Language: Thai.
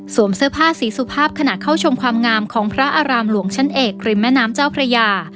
เสื้อผ้าสีสุภาพขณะเข้าชมความงามของพระอารามหลวงชั้นเอกริมแม่น้ำเจ้าพระยา